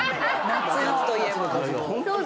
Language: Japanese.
夏といえば。